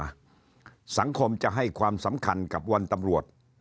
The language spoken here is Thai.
สังคมจะให้ความสำคัญกับวันตำรวจ